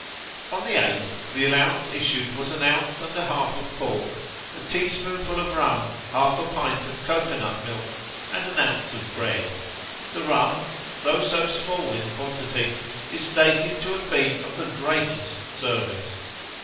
On the 8th, the allowance issued was an ounce and a half of pork, a teaspoonful of rum, half a pint of cocoa nut milk, and an ounce of bread. The rum, though so small in quantity, is stated to have been of the greatest service.